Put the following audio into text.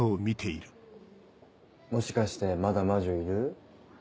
もしかしてまだ魔女いる？